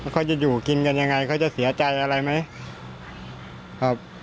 เขาจะอยู่กินกันยังไงเขาจะเสียใจอะไรไหมครับ